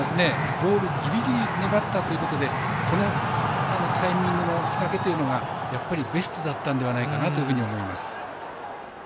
ゴールぎりぎり、粘ったというところでタイミングの仕掛けというのがやっぱりベストだったのではないかというふうに思います。